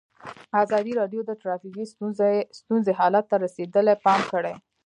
ازادي راډیو د ټرافیکي ستونزې حالت ته رسېدلي پام کړی.